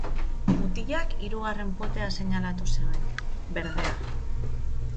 Mutilak hirugarren potea seinalatu zuen, berdea.